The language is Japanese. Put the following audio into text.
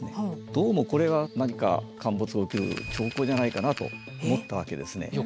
どうもこれは何か陥没が起きる兆候じゃないかなと思ったわけですね。